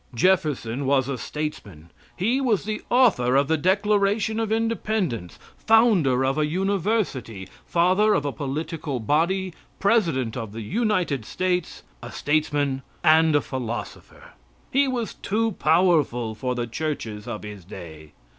Jefferson was a statesman. He was the author of the Declaration of Independence, founder of a university, father of a political body, president of the United States, a statesman, and a philosopher. He was too powerful for the churches of his day.